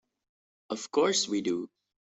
Of course we do.